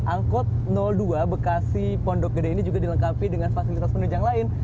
angkot dua bekasi pondok gede ini juga dilengkapi dengan fasilitas penunjang lain